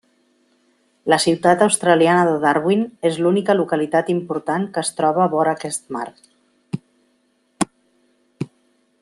La ciutat australiana de Darwin és l'única localitat important que es troba vora aquest mar.